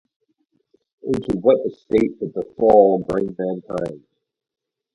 Into what estate did the fall bring mankind?